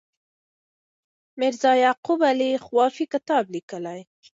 میرزا یعقوب علي خوافي کتاب لیکي.